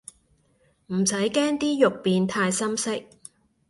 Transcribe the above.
唔使驚啲肉變太深色